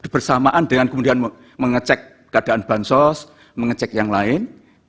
bersamaan dengan kemudian mengecek keadaan bansos mengecek yang lain